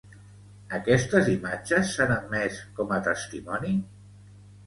Aquestes imatges s'han admès com a testimoni?